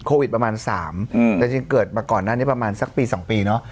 ประมาณ๓แต่จริงเกิดมาก่อนหน้านี้ประมาณสักปี๒ปีเนาะ